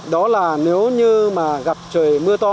đó là nếu như mà gặp trời mưa rơi